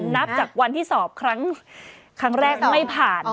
นับจากวันที่สอบครั้งแรกไม่ผ่าน